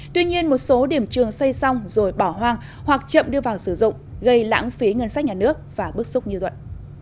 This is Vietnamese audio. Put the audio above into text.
tuy nhiên một số điểm trường xây xong rồi bỏ hoang hoặc chậm đưa vào sử dụng gây lãng phí ngân sách nhà nước và bức xúc như luận